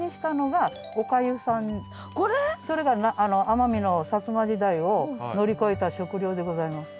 それが奄美の摩時代を乗り越えた食料でございます。